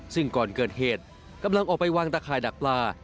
ซึ่งก่อนเกิดเหตุกำลังออกไปวางตะข่ายดักปลา